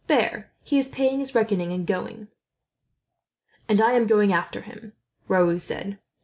There, he is paying his reckoning, and going." "And I am going after him," Raoul said, rising.